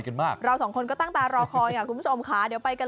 กันมากเรา๒คนก็ตั้งตารอคอยกำทีชมค่ะเดี๋ยวไปกัน